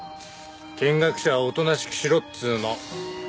見学者はおとなしくしてろっつーの。